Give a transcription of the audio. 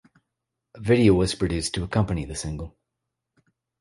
A video was produced to accompany the single.